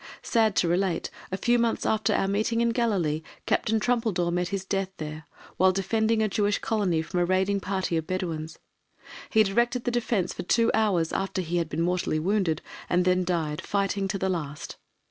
Sad to relate, a few months after our meeting in Galilee, Captain Trumpeldor met his death there, while defending a Jewish Colony from a raiding party of Bedouins. He directed the defence for two hours after he had been mortally wounded, and then died, fighting to the last.